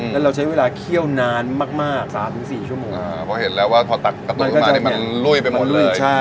แล้วเราใช้เวลาเคี่ยวนานมาก๓๔ชั่วโมงเพราะเห็นแล้วว่าพอตักกับต้นเข้ามาเนี่ยมันล่ยไปหมดเลย